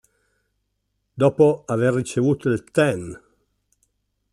Dopo aver ricevuto il Ten.